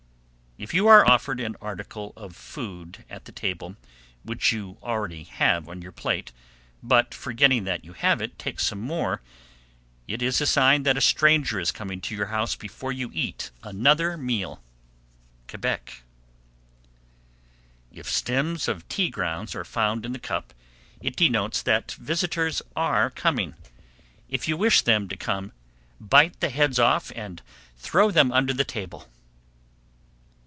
_ 771. If you are offered an article of food at the table, which you already have on your plate, but forgetting that you have it, take some more, it is a sign that a stranger is coming to your house before you eat another meal. Quebec. 772. If stems of tea grounds are found in the cup, it denotes that visitors are coming. If you wish them to come, bite the heads off and throw them under the table.